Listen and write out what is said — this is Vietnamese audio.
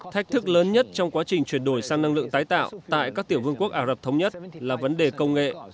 thách thức lớn nhất trong quá trình chuyển đổi sang năng lượng tái tạo tại các tiểu vương quốc ả rập thống nhất là vấn đề công nghệ